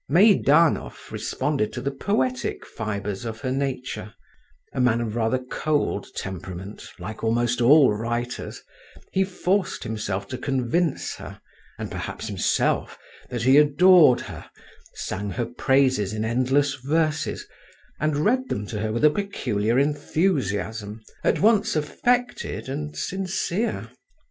Meidanov responded to the poetic fibres of her nature; a man of rather cold temperament, like almost all writers, he forced himself to convince her, and perhaps himself, that he adored her, sang her praises in endless verses, and read them to her with a peculiar enthusiasm, at once affected and sincere.